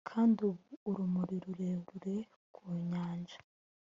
kandi ubu urumuri rurerure ku nyanja: